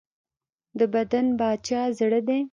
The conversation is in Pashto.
د بدن باچا زړه دی.